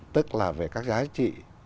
tức là về các giá trị